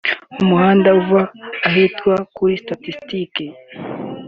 mu muhanda uva ahitwa kuri ‘statistique’